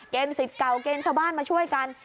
เกณฑ์ศิษย์เก่าเกณฑ์ชาวบ้านมาช่วยกัน